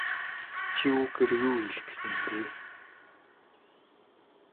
Чи үүгээрээ юу хэлэх гэсэн юм бэ?